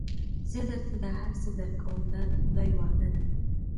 زه درته دا هر څه درکوم دا د خدای وعده ده.